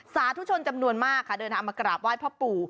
สาธุชนจำนวนมากค่ะเดินทางมากราบไหว้พ่อปู่